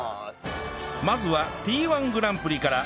まずは Ｔ−１ グランプリから